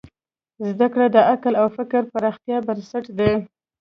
زدهکړه د عقل او فکر پراختیا بنسټ دی.